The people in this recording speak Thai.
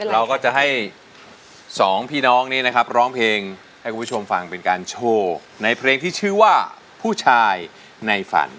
เราก็จะให้สองพี่น้องนี้นะครับร้องเพลงให้คุณผู้ชมฟังเป็นการโชว์ในเพลงที่ชื่อว่าผู้ชายในฝัน